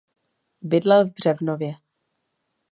Bydlel v Břevnově.